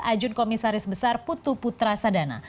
ajun komisaris besar putu putrasadana